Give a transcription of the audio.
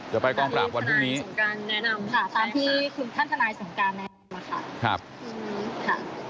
จะไปกองปราบวันพรุ่งนี้ตามที่ท่านทนายสงการแนะนำค่ะ